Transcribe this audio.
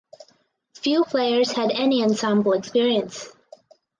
Few players had any ensemble experience.